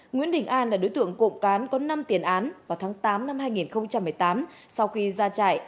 nguyễn đình an là đối tượng cộng cán có năm tiền án vào tháng tám năm hai nghìn một mươi tám sau khi ra trại